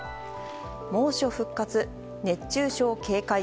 猛暑復活、熱中症警戒。